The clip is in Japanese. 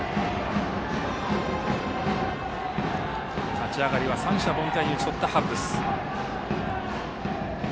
立ち上がりは三者凡退に打ち取ったハッブス。